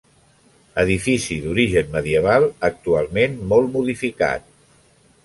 Edifici d'origen medieval actualment molt modificat.